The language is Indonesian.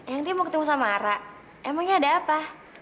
yangti mau ketemu sama arak emangnya ada apa